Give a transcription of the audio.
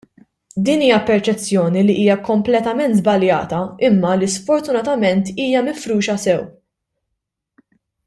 Din hija perċezzjoni li hija kompletament żbaljata imma li sfortunatament hija mifruxa sew.